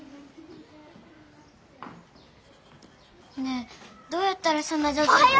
ねえどうやったらそんなじょうずに。